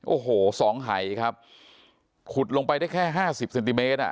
โอ้โหสองหายครับขุดลงไปได้แค่ห้าสิบเซนติเมตรอ่ะ